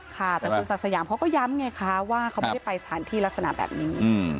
ค่ะแต่คุณศักดิ์สยามเขาก็ย้ำไงคะว่าเขาไม่ได้ไปสถานที่ลักษณะแบบนี้